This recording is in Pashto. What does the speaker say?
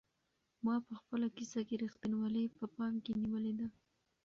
ما په خپله کيسه کې رښتینولي په پام کې نیولې ده.